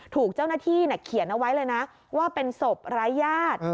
ถูกเจ้าหน้าที่เขียนเอาไว้เลยนะว่าเป็นศพรายญาติ